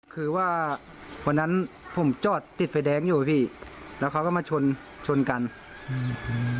คือว่าวันนั้นผมจอดติดไฟแดงอยู่พี่แล้วเขาก็มาชนชนกันอืม